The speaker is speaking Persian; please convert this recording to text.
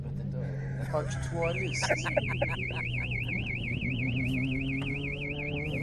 آکتوالیست